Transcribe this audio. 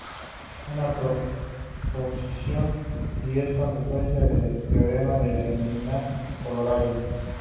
Una proposición si es consecuencia de un teorema se denomina corolario.